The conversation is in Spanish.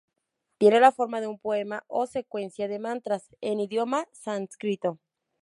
Tiene la forma de un poema o secuencia de mantras en idioma sánscrito.